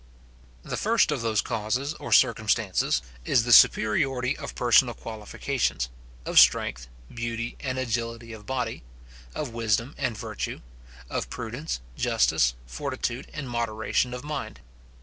The first of those causes or circumstances, is the superiority of personal qualifications, of strength, beauty, and agility of body; of wisdom and virtue; of prudence, justice, fortitude, and moderation of mind.